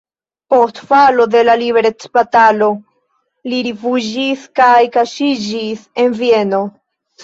Post falo de la liberecbatalo li rifuĝis kaj kaŝiĝis en Vieno.